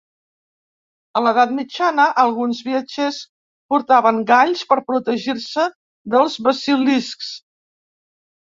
A l'edat mitjana, alguns viatgers portaven galls per protegir-se dels basiliscs.